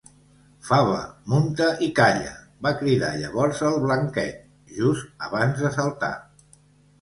Fava, munta i calla! —va cridar llavors el Blanquet, just abans de saltar.